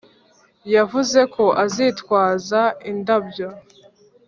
yavuze ko azitwaza indabyo.